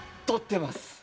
「取ってます！」